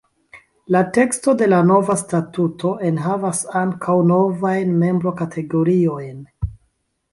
La teksto de la nova statuto enhavas ankaŭ novajn membrokategoriojn.